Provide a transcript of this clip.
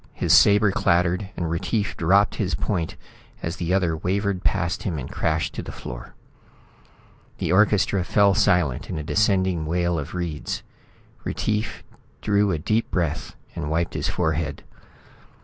His sabre clattered, and Retief dropped his point as the other wavered past him and crashed to the floor. The orchestra fell silent in a descending wail of reeds. Retief drew a deep breath and wiped his forehead.